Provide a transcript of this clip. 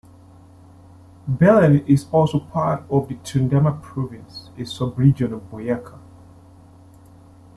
Belen is also part of the Tundama Province a subregion of Boyaca.